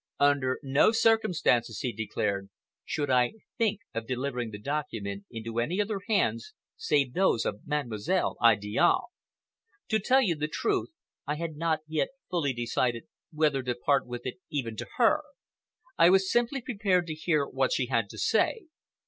"Under no circumstances," he declared, "should I think of delivering the document into any other hands save those of Mademoiselle Idiale. To tell you the truth, I had not fully decided whether to part with it even to her. I was simply prepared to hear what she had to say.